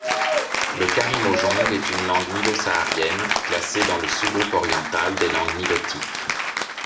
Le karimojong est une langue nilo-saharienne classée dans le sous-groupe oriental des langues nilotiques.